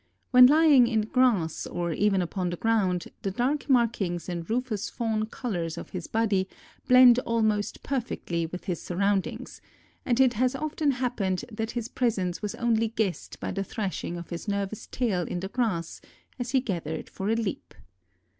When lying in grass or even upon the ground the dark markings and rufous fawn colors of his body blend almost perfectly with his surroundings, and it has often happened that his presence was only guessed by the thrashing of his nervous tail in the grass as he gathered for a leap.